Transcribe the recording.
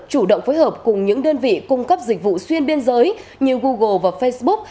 chủ động phối hợp cùng những đơn vị cung cấp dịch vụ xuyên biên giới như google và facebook